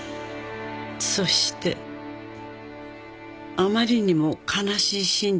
「そしてあまりにも悲しい真実を知りました」